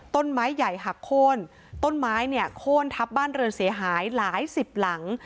ต้นไม้ใหญ่หักโค้นต้นไม้เนี่ยโค้นทับบ้านเรือนเสียหายหลายสิบหลัง